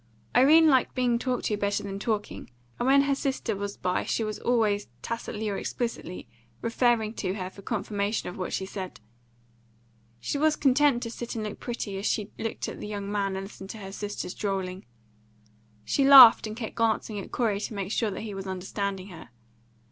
Irene liked being talked to better than talking, and when her sister was by she was always, tacitly or explicitly, referring to her for confirmation of what she said. She was content to sit and look pretty as she looked at the young man and listened to her sister's drolling. She laughed and kept glancing at Corey to make sure that he was understanding her.